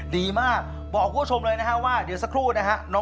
ดีมากบอกคุณผู้ชมเลยนะฮะว่าเดี๋ยวสักครู่นะฮะ